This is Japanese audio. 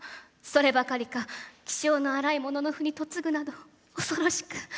そればかりか気性の荒いもののふに嫁ぐなど恐ろしく。